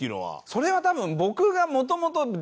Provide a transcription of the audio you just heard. それは多分ああ。